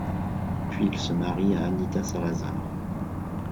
Puis il se marie à Anita Salazar.